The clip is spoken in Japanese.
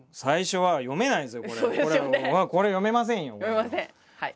読めません。